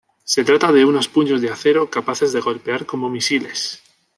Se trata de unos puños de acero capaces de golpear como misiles.